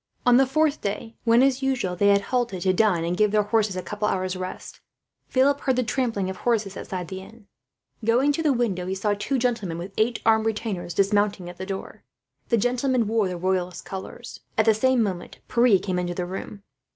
On the fourth day when, as usual, they had halted to dine and give their horses a couple of hours' rest, Philip heard the trampling of horses outside the inn. Going to the window he saw two gentlemen, with eight armed retainers, dismounting at the door. The gentlemen wore the Royalist colours. At the same moment, Pierre came into the room.